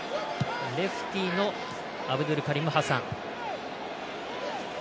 レフティーのアブドゥルカリム・ハサン。